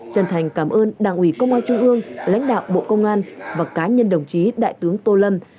trần thành cảm ơn đảng ủy công an trung ương lãnh đạo bộ công an và cá nhân đồng chí đại tướng tô lâm